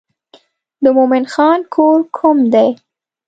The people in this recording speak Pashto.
د مومن خان کور کوم دی.